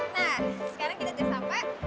nah sekarang kita sudah sampai